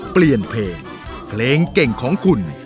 เพลงเพลงเก่งของคุณ